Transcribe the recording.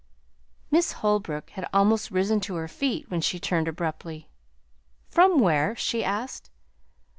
Miss Holbrook had almost risen to her feet when she turned abruptly. "From where?" she asked.